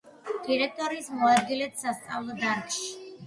დირექტორის მოადგილედ სასწავლო დარგში.